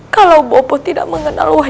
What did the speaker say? kalau bopo tidak mengenal wajahku